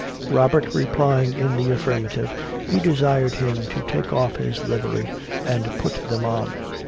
Robert replying in the affirmative, he desired him to take off his livery, and put them on.